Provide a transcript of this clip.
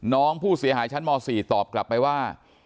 น้องผู้เสียหายชั้นม๔ตอบกลับไปว่า